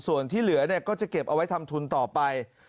ส่วนที่เหลือก็จะเก็บเอาไว้ทำทุนต่อไป